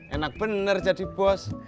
enak bener jadi bos